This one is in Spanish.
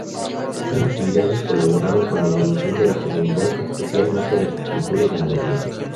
Otras actividades colaboraron con la evolución de la comunidad, especialmente la agricultura y ganadería.